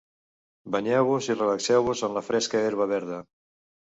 Banyeu-vos i relaxeu-vos en la fresca herba verda.